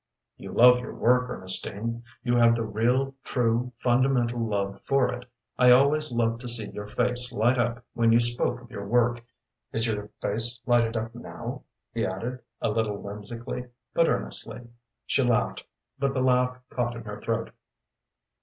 "You love your work, Ernestine. You have the real, true, fundamental love for it. I always loved to see your face light up when you spoke of your work. Is your face lighted up now?" he asked, a little whimsically, but earnestly. She laughed, but the laugh caught in her throat.